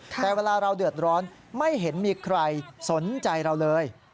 แต่เวลาเราเดือดร้อนไม่เห็นมีใครสนใจเราเลย